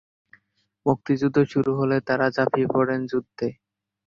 মুক্তিযুদ্ধ শুরু হলে তারা ঝাঁপিয়ে পড়েন যুদ্ধে।